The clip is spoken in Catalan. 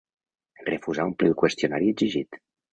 Refusà omplir el qüestionari exigit.